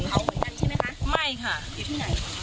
เขาเหมือนกันใช่ไหมคะไม่ค่ะอยู่ที่ไหน